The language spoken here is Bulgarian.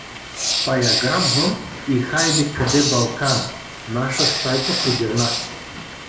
Па я грабвам и хайде къде Балкана, наша Стайка подир нас.